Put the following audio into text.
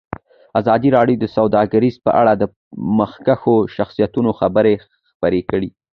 ازادي راډیو د سوداګري په اړه د مخکښو شخصیتونو خبرې خپرې کړي.